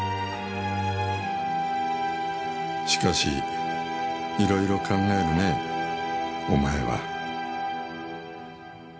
しかしいろいろ考えるねぇお前は。